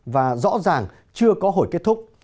và rõ ràng chưa có hồi kết thúc